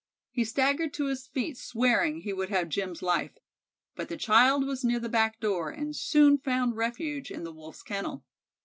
He staggered to his feet swearing he would have Jim's life. But the child was near the back door and soon found refuge in the Wolf's kennel.